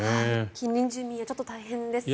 近隣住民はちょっと大変ですね。